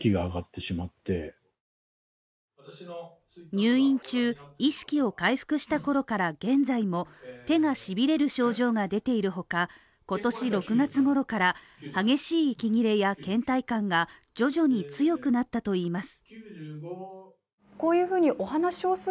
入院中、意識を回復したころから現在も手がしびれる症状が出ているほか、今年６月頃から激しい息切れやけん怠感が徐々に強くなったといいます。